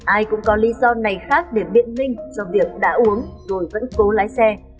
ai cũng có lý do này khác để biện minh cho việc đã uống rồi vẫn cố lái xe